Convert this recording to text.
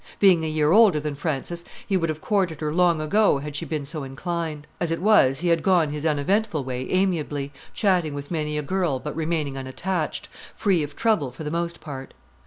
Being a year older than Frances, he would have courted her long ago had she been so inclined. As it was, he had gone his uneventful way amiably, chatting with many a girl, but remaining unattached, free of trouble for the most part.